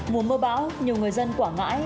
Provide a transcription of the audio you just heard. mùa mưa bão nhiều người dân quảng ngãi